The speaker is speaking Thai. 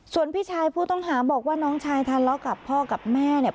ส่วนพี่ชายผู้ต้องหาบอกว่าน้องชายทะเลาะกับพ่อกับแม่เนี่ย